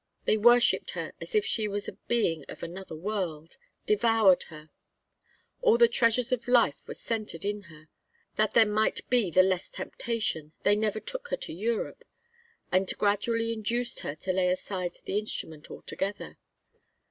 They worshipped her as if she was a being of another world, devoured her; all the treasures of life were centred in her. That there might be the less temptation, they never took her to Europe; and gradually induced her to lay aside the instrument altogether.